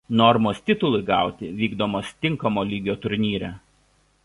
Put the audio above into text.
Normos titului gauti vykdomos tinkamo lygio turnyre.